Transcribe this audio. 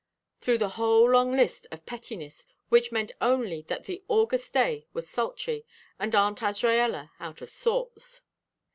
through the whole long list of pettiness which meant only that the August day was sultry and Aunt Azraella out of sorts.